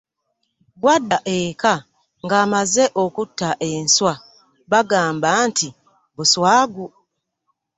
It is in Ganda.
Bwadda eka ng'amaze okutta enswa bagamba nti buswagu.